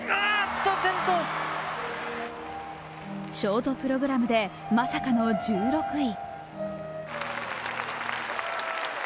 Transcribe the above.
ショートプログラムでまさかの１６位。